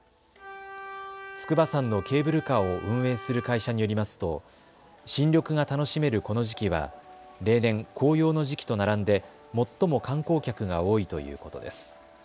筑波山のケーブルカーを運営する会社によりますと新緑が楽しめるこの時期は例年、紅葉の時期と並んで最も観光客が多いということです。